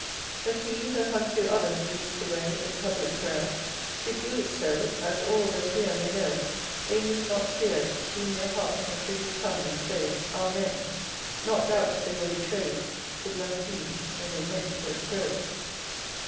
But he, that unto others leads the way In public prayer, Should do it so, As all, that hear, may know They need not fear To tune their hearts unto his tongue, and say Amen; not doubt they were betray'd To blaspheme, when they meant to have pray'd.